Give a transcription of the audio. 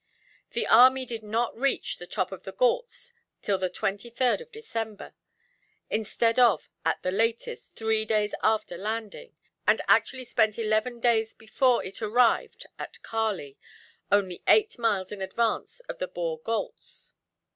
The army did not reach the top of the Ghauts till the 23rd of December instead of, at the latest, three days after landing and actually spent eleven days before it arrived at Karlee, only eight miles in advance of the Bhore Ghauts.